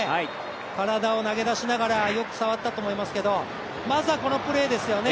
体を投げ出しながら、よく触ったと思いますがまずはこのプレーですよね。